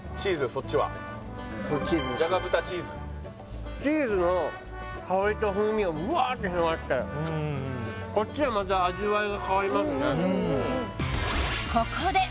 そっちはじゃが豚ちーずチーズの香りと風味がぶわーって広がってこっちはまた味わいが変わりますね